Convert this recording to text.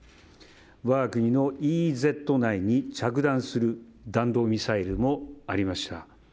我が国のＥＥＺ内に着弾する弾道ミサイルもありました。